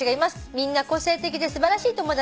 「みんな個性的で素晴らしい友達です」